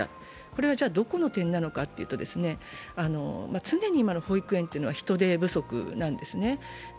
これはどこの点なのかというと、常に今の保育園というのは人手不足なんですね。